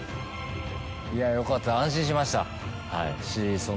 いやよかった。